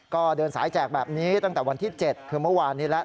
ก็เดินสายแจกแบบนี้ตั้งแต่วันที่๗คือเมื่อวานนี้แล้ว